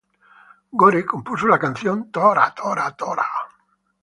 Gore compuso la canción "Tora!